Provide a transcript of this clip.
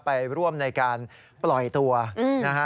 ไปร่วมในการปล่อยตัวนะฮะ